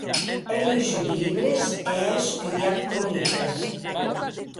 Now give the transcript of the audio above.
È liejut libres e è estudiat croniques.